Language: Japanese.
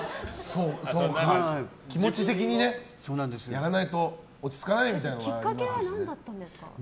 気持ち的にやらないと落ち着かないみたいなのがきっかけは何だったんですか？